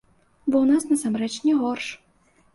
Бо ў нас насамрэч не горш.